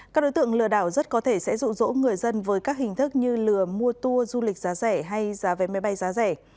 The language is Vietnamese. các đối tượng lừa đảo rất có thể sẽ rụ rỗ người dân với các hình thức như lừa mua tour du lịch giá rẻ hay giá vé máy bay giá rẻ